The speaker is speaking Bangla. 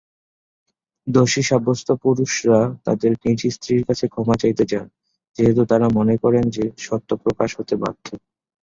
দোষী সাব্যস্ত পুরুষরা তাদের নিজ স্ত্রীর কাছে ক্ষমা চাইতে যান, যেহেতু তারা মনে করেন যে সত্য প্রকাশ হতে বাধ্য।